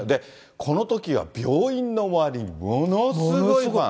このときは病院の周りにものすごいファン。